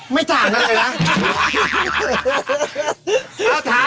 ไม่จากนั้นเลยนะ